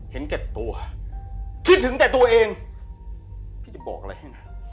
เห็นแก่ตัวคิดถึงแต่ตัวเองพี่จะบอกอะไรให้นะ